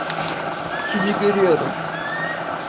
Sizi görüyorum.